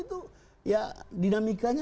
itu ya dinamikanya